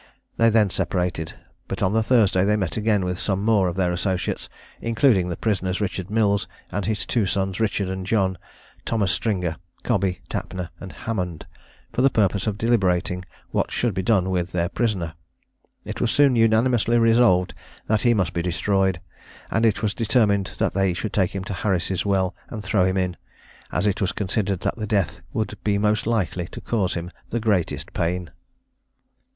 They then separated; but on the Thursday they met again with some more of their associates, including the prisoners Richard Mills, and his two sons Richard and John, Thomas Stringer, Cobby, Tapner, and Hammond, for the purpose of deliberating what should be done with their prisoner. It was soon unanimously resolved that he must be destroyed, and it was determined that they should take him to Harris' well and throw him in, as it was considered that that death would be most likely to cause him the greatest pain.